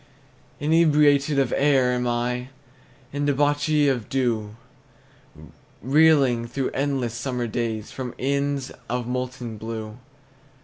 Inebriate of air am I, And debauchee of dew, Reeling, through endless summer days, From inns of molten blue.